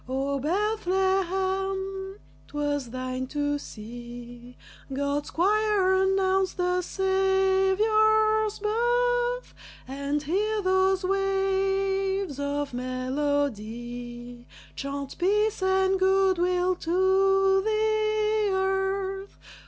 O Bethlehem, 'twas thine to see God's choir announce the Saviour's birth, And hear those waves of melody Chant peace and good will to the earth!